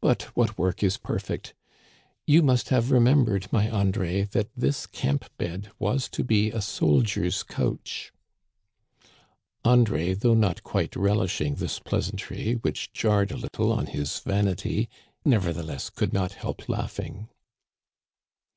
But what work is perfect ? You must have remembered, my Andre, that this camp bed was to be a soldiers* couch." André, though not quite relishing this pleasantry, Digitized by VjOOQIC THE GOOD GENTLEMANr 153 which jarred a little on his vanity, nevertheless could not help laughing.